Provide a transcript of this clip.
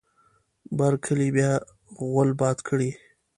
بر کلي بیا غول باد کړی.